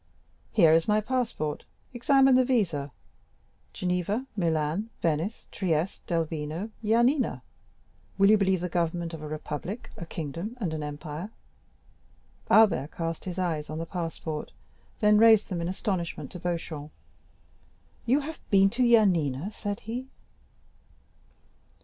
"Here is my passport; examine the visa—Geneva, Milan, Venice, Trieste, Delvino, Yanina. Will you believe the government of a republic, a kingdom, and an empire?" Albert cast his eyes on the passport, then raised them in astonishment to Beauchamp. "You have been to Yanina?" said he.